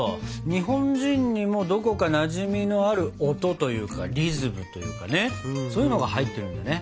日本人にもどこかなじみのある音というかリズムというかねそういうのが入ってるんだね。